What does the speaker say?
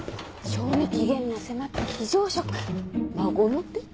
賞味期限の迫った非常食孫の手？